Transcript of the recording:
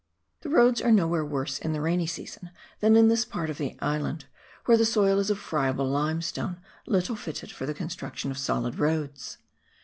The roads are nowhere worse in the rainy season than in this part of the island, where the soil is of friable limestone, little fitted for the construction of solid roads.